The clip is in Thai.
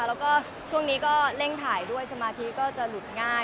แล้วก็ช่วงนี้ก็เร่งถ่ายด้วยสมาธิก็จะหลุดง่าย